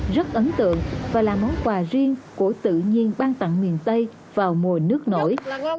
rất ấn tượng và là món quà riêng của tự nhiên ban tặng miền tây vào mùa nước nổi